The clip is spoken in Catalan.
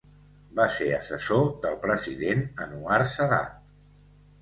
Va ser assessor del president Anwar Sadat.